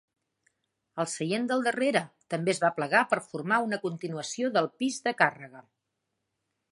El seient del darrere també es va plegar per formar una continuació del pis de càrrega.